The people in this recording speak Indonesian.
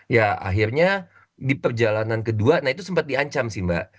ya akhirnya di perjalanan kedua nah itu sempat diancam sih mbak